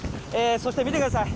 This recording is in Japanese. そして、見てください。